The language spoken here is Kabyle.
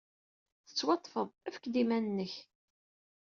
Tettwaḍḍfed. Efk-d iman-nnek!